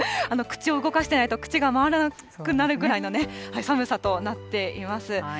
口を動かしてないと口が回らなくなるくらいの寒さとなっています。